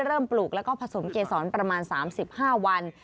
ปลูกแล้วก็ผสมเกษรประมาณ๓๕วัน